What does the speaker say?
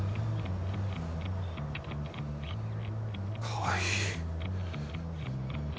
かわいい。